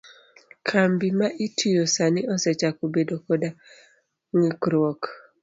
Kambi ma itiye sani osechako bedo koda ng'ikruok?